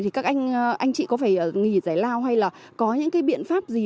thì các anh anh chị có phải nghỉ giải lao hay là có những cái biện pháp gì